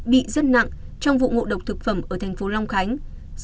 bị rất nặng trong vụ ngộ độc thực phẩm ở tp long khánh